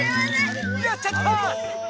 やっちゃった！